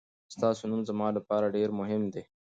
ستاسو نوم زما لپاره ډېر مهم دی.